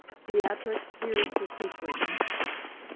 BEATRIX HEARS THE SECRET.